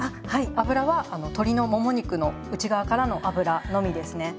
油は鶏のもも肉の内側からの脂のみですね。